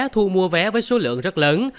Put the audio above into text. thu mua vé với số lượng rất lớn